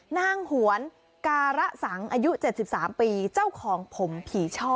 หวนการสังอายุ๗๓ปีเจ้าของผมผีช่อ